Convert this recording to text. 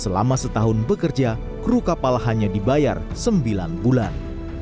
selama setahun bekerja kru kapal hanya dibayar sembilan bulan